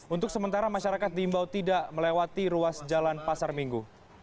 untuk sementara masyarakat diimbau tidak melewati ruas jalan pasar minggu